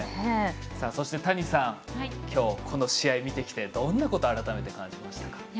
谷さん、きょうこの試合見てきてどんなことを改めて感じましたか。